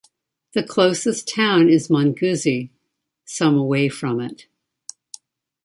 The closest town is Manguzi, some away from it.